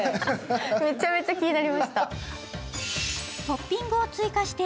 めちゃめちゃ気になりました。